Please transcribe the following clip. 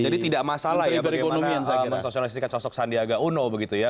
jadi tidak masalah ya bagaimana menstosionalisikan sosok sandiaga uno begitu ya